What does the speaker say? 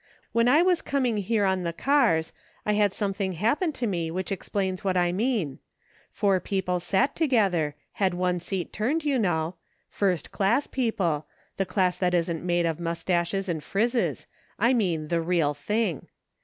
When I was coming here on the cars, I had something happen to me which explains what I mean ; four people sat together, had one seat turned, you know ; first class people — the class that isn't made out of mustaches and frizzes : I mean the real thing.